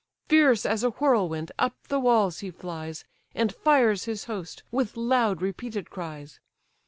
Fierce as a whirlwind up the walls he flies, And fires his host with loud repeated cries.